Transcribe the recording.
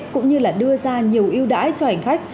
cũng như là đưa ra nhiều yêu đãi cho ảnh khách